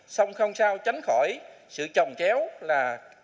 xong không sao tránh khỏi sự trồng chéo là có tin tức tương đối